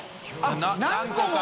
△何個も！